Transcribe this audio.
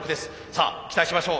さあ期待しましょう。